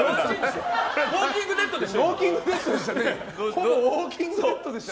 ほぼ「ウォーキング・デッド」でしたね。